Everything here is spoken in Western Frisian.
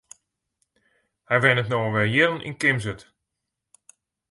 Hy wennet no al wer jierren yn Kimswert.